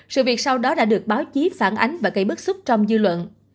sự việc sau đó đã được báo chí phản ánh và gây bức xúc trong dư luận